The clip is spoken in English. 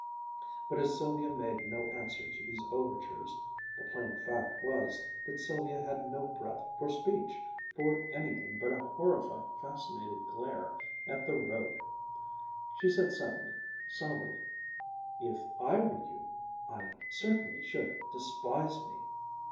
But as Sylvia made no answer to these overtures (the plain fact was that Sylvia had no breath for speech, for anything but a horrified fascinated glare at the road), she said suddenly, somberly, "If I were you, I certainly should despise me!"